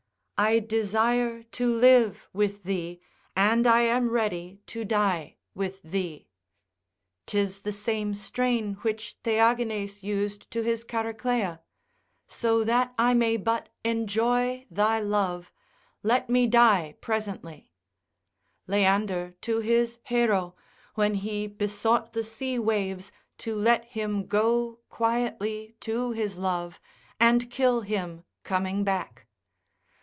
I desire to live with thee, and I am ready to die with thee. 'Tis the same strain which Theagines used to his Chariclea, so that I may but enjoy thy love, let me die presently: Leander to his Hero, when he besought the sea waves to let him go quietly to his love, and kill him coming back.